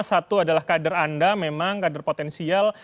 satu adalah kader anda memang kader potensial